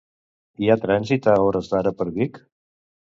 Hi ha trànsit a hores d'ara per Vic?